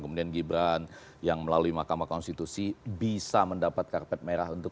kemudian gibran yang melalui mahkamah konstitusi bisa mendapat karpet merah untuk